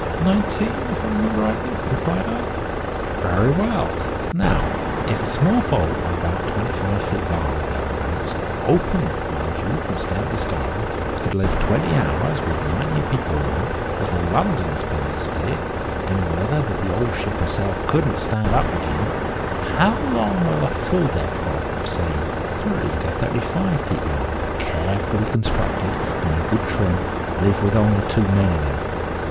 "Nineteen, if I remember rightly," replied I. "Very well; now if a small boat of about twenty five feet long or thereabouts, open, mind you, from stem to starn, could live twenty hours with nineteen people in her, as the London's pinnace did, in weather that the old ship herself couldn't stand up agin, how long will a full decked boat of, say, thirty to thirty five feet long, carefully constructed, and in good trim, live with only two men in her?